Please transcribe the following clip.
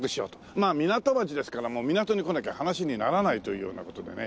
まあ港町ですからもう港に来なきゃ話にならないというような事でね。